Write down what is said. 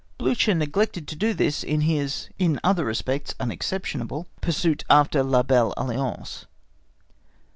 Blücher neglected this in his, in other respects unexceptionable, pursuit after La Belle Alliance.